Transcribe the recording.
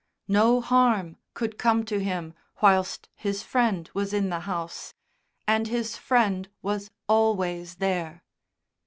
No harm could come to him whilst his Friend was in the house and his Friend was always there.